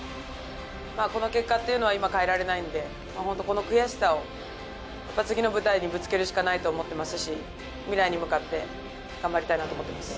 この結果というのは今、変えられないので、本当、この悔しさを次の舞台にぶつけるしかないと思ってますし、未来に向かって頑張りたいなと思ってます。